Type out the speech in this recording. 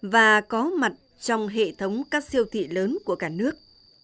và có mặt trong hệ thống các siêu thị lớn của cả nước